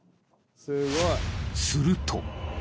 すると。